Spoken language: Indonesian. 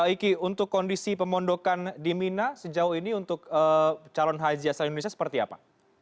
iki untuk kondisi pemondokan di mina sejauh ini untuk calon haji asal indonesia seperti apa